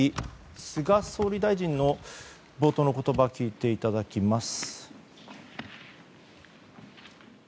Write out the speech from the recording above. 菅総理大臣の冒頭の言葉聞いていただきます。